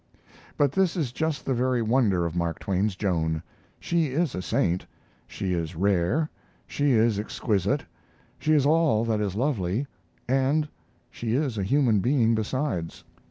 But this is just the very wonder of Mark Twain's Joan. She is a saint; she is rare, she is exquisite, she is all that is lovely, and she is a human being besides.